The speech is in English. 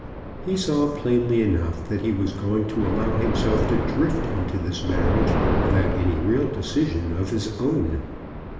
He saw plainly enough that he was going to allow himself to drift into this marriage without any real decision of his own.